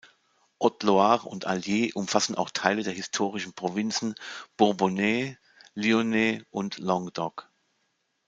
Haute-Loire und Allier umfassen auch Teile der historischen Provinzen Bourbonnais, Lyonnais und Languedoc.